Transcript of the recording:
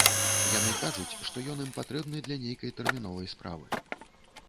Яны кажуць, што ён ім патрэбны для нейкай тэрміновай справы.